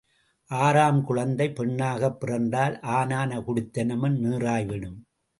ஆறாம் குழந்தை பெண்ணாகப் பிறந்தால் ஆனான குடித்தனமும் நீறாய் விடும்.